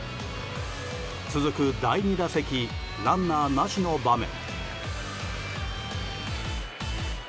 続く第２打席ランナーなしの場面。